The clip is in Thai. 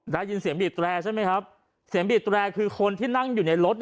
ได้ยินเสียงบีบแตรใช่ไหมครับเสียงบีบแตรคือคนที่นั่งอยู่ในรถ